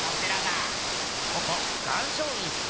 ここ岩松院っすね。